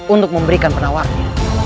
untuk memberikan penawarnya